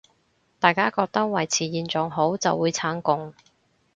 大家覺得維持現狀好，就會撐共